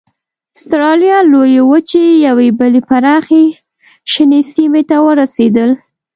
اسټرالیا لویې وچې یوې بلې پراخې شنې سیمې ته ورسېدل.